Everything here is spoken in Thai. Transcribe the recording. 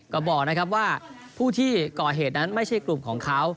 ก็บอกนะครับว่าผู้ที่ก่อเหตุนั้นไม่ใช่กลุ่มของเขา